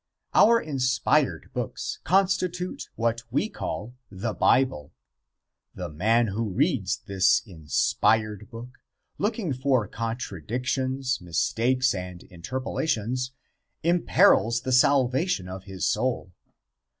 Our inspired books constitute what we call the "Bible." The man who reads this inspired book, looking for contradictions, mistakes and interpolations, imperils the salvation of his soul.